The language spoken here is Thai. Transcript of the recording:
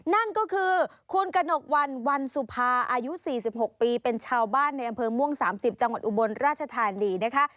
นั่นก็คือคุณกระหนกวันวันสุภาอายุ๔๖ปีเป็นชาวบ้านในอำเภอม่วง๓๐จังหวัดอุบลราชธานีนะคะ